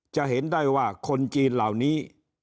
จะเห็นได้ว่าคนจีนเหล่านี้